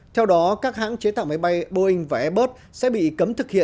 theo đó các hãng chế tạo máy bay boeing và airbus sẽ bị cấm thực hiện